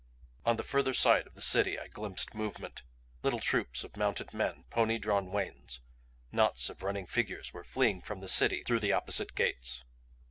On the further side of the city I glimpsed movement. Little troops of mounted men, pony drawn wains, knots of running figures were fleeing from the city through the opposite gates.